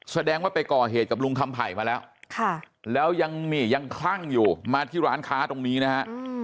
แสดงว่าไปก่อเหตุกับลุงคำไผ่มาแล้วแล้วยังนี่ยังคลั่งอยู่มาที่ร้านค้าตรงนี้นะฮะ